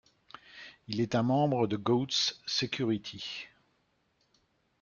Il est un membre de Goatse Security.